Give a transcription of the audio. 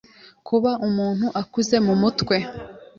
Kuba umuntu akuze mu mutwe